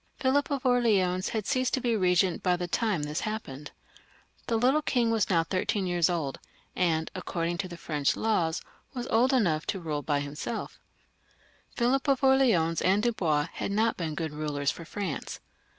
Philip of Orleans had left oflf being regent by the time this happened. The little king was now thirteen years old, and, according to the French laws, was old enough to rule by himseK. Philip of Orleans and Dubois had not been good rulers for France.